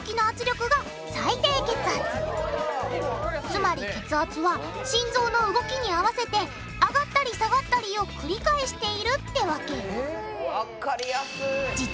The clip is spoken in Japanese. つまり血圧は心臓の動きに合わせて上がったり下がったりを繰り返しているってわけわかりやすい！